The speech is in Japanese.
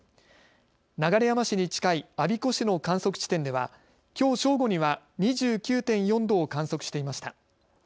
流山市に近い我孫子市の観測地点ではきょう正午には２９．４度を観測していました。